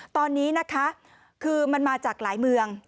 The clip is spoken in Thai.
ตอนนี้นะคะคือมันมาจากหลายเมือง